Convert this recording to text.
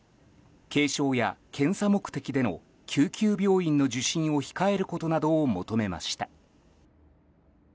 軽症や、検査目的での救急病院の受診を控えることなどを求めました。